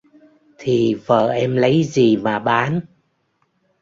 Thì vợ Em lấy gì mà bán